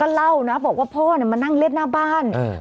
เธอก็เล่านะบอกว่าพ่อเนี่ยมานั่งเล่นหน้าบ้านอืม